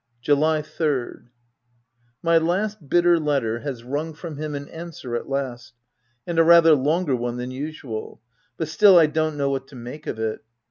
July 3rd. — My last bitter letter has wrung from him an answer at last, — and a rather longer one than usual ; but still, I don't know what to make of it.